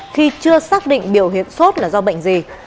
khi chưa xác định biểu hiện sốt là do bệnh gì